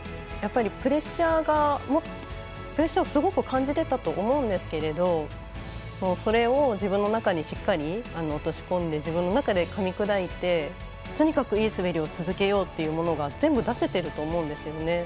プレッシャーをすごく感じてたと思うんですけれどそれを自分の中にしっかり落とし込んで自分の中でかみ砕いてとにかくいい滑りを続けようってものが全部出せていると思うんですよね。